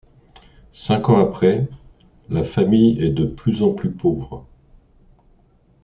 Cinq ans après, la famille est de plus en plus pauvre.